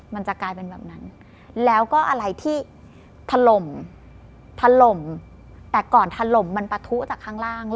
มันจะกลายเป็นแบบนั้นแล้วก็อะไรที่ถล่มถล่มแต่ก่อนถล่มมันปะทุจากข้างล่าง